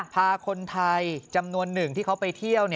พาคนไทยจำนวนหนึ่งที่เขาไปเที่ยว